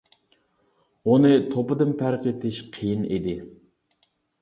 ئۇنى توپىدىن پەرق ئېتىش قىيىن ئىدى.